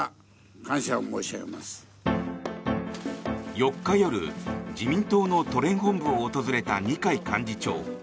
４日夜、自民党の都連本部を訪れた二階幹事長。